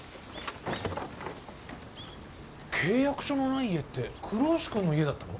契約書のない家って黒丑君の家だったの？